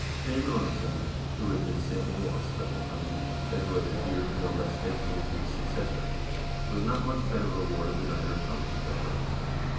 Finn Arnesson, who had been St. Olav's special friend, and who had adhered no less faithfully to his successor, was not much better rewarded than Einar Tambarskjselver.